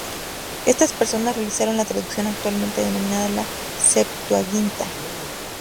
Estas personas realizaron la traducción actualmente denominada la Septuaginta.